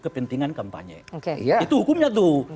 kepentingan kampanye oke itu hukumnya tuh